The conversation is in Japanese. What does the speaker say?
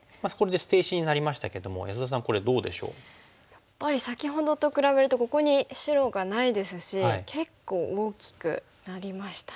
やっぱり先ほどと比べるとここに白がないですし結構大きくなりましたね。